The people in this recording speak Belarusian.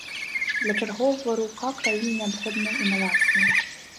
Для чарговага рыўка краіне неабходныя інавацыі.